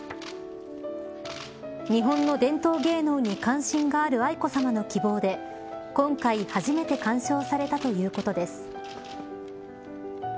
日本の伝統芸能に関心がある愛子さまの希望で今回初めて鑑賞されたということです。